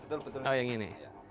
oh yang ini